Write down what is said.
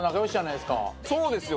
そうですよ。